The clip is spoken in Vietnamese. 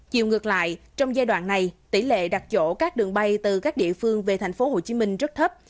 chiều ngược lại trong giai đoạn này tỷ lệ đặt chỗ các đường bay từ các địa phương về thành phố hồ chí minh rất thấp